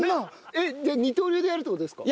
えっじゃあ二刀流でやるって事ですか？